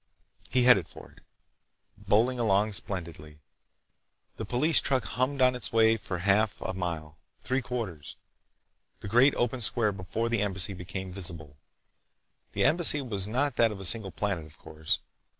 He headed for it, bowling along splendidly. The police truck hummed on its way for half a mile; three quarters. The great open square before the Embassy became visible. The Embassy was not that of a single planet, of course.